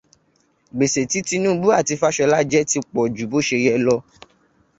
Gbèsè tí Tinúbú àti Fáṣọlá jẹ ti pọ̀ ju bó ṣe yẹ lọ